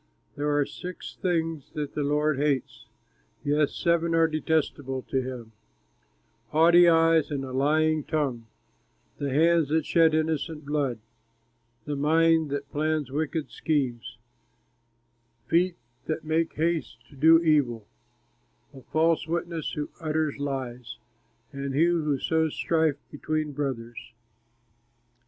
There are six things that the Lord hates, Yes, seven are detestable to him: Haughty eyes and a lying tongue, And hands that shed innocent blood, A mind that plans wicked schemes, Feet that make haste to do evil, A false witness who utters lies, And he who sows strife between brothers.